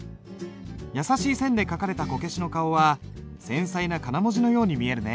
優しい線で描かれたこけしの顔は繊細な仮名文字のように見えるね。